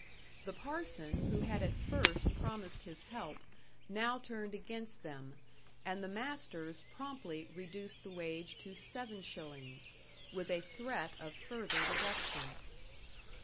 The parson, who had at first promised his help, now turned against them, and the masters promptly reduced the wage to 7s., with a threat of further reduction.